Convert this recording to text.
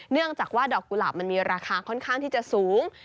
เนื่องจากว่าดอกกุหลาบมันมีราคาค่อนข้างที่จะสูง